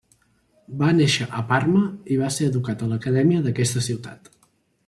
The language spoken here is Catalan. Va néixer a Parma i va ser educat a l'Acadèmia d'aquesta ciutat.